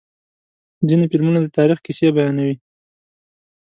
ځینې فلمونه د تاریخ کیسې بیانوي.